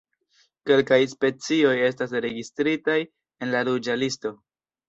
Kelkaj specioj estas registritaj en la Ruĝa listo.